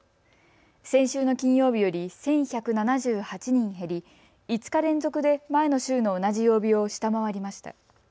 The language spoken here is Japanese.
先週の金曜日より１１７８人減り、５日連続で前の週の同じ曜日を下回りました。